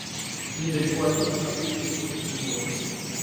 Недалеко от них ходили три спутанные лошади.